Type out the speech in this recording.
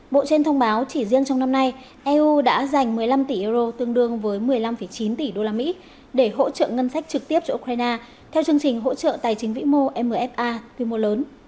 bộ trên thông báo chỉ riêng trong năm nay eu đã dành một mươi năm tỷ euro tương đương với một mươi năm chín tỷ usd để hỗ trợ ngân sách trực tiếp cho ukraine theo chương trình hỗ trợ tài chính vĩ mô mfa quy mô lớn